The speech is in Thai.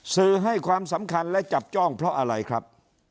สื่อให้ความสำคัญและจับจ้องเพราะอะไรครับ